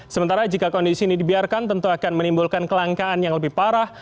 sementara jika kondisi ini dibiarkan tentu akan menimbulkan kelangkaan yang lebih parah